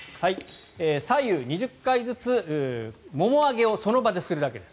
左右２０回ずつ、もも上げをその場でするだけです。